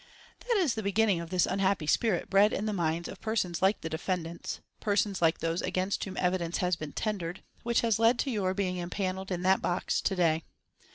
That is the beginning of this unhappy spirit bred in the minds of persons like the defendants, persons like those against whom evidence has been tendered which has led to your being empanelled in that box to day.